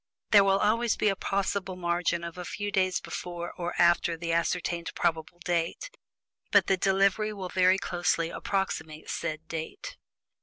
There will always be a possible margin of a few days before or after the ascertained probable date but the delivery will very closely approximate said date.